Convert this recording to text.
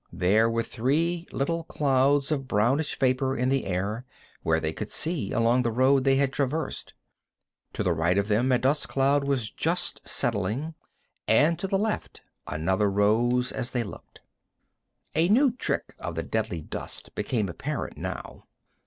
There were three little clouds of brownish vapor in the air, where they could see, along the road they had traversed. To the right of them a dust cloud was just settling, and to the left another rose as they looked. A new trick of the deadly dust became apparent now.